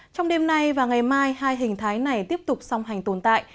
trong đêm nay và ngày mai hai hình thái này tiếp tục song hành tồn tại